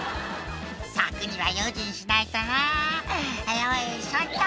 「柵には用心しないとなあよいしょっと」